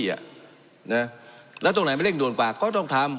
อ่ะเนี่ยแล้วตรงไหนไม่เร่งด่วนกว่าก็ต้องทำ